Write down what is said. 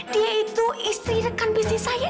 dia itu istri rekan bisnis saya